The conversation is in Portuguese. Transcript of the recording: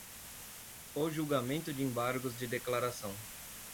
o julgamento de embargos de declaração